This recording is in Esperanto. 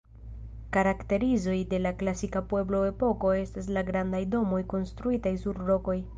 Karakterizoj de la klasika pueblo-epoko estas la grandaj domoj konstruitaj sur rokoj.